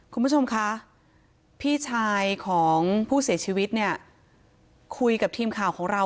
คุณผู้ชมคะพี่ชายของผู้เสียชีวิตเนี่ยคุยกับทีมข่าวของเรา